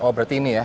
oh berarti ini ya